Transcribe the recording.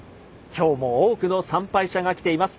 今日も多くの参拝者が来ています。